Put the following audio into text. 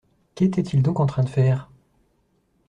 Qu’était-il donc en train de faire?